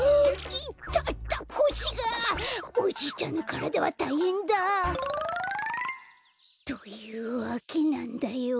イタタこしがおじいちゃんのからだはたいへんだ。というわけなんだよ。